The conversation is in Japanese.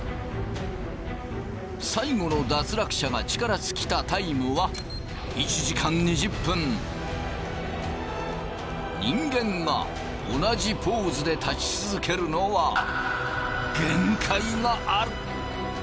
最後の脱落者が力尽きたタイムは人間が同じポーズで立ち続けるのは限界がある。